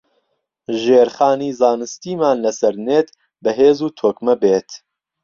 ژێرخانی زانستیمان لەسەر نێت بەهێز و تۆکمە بێت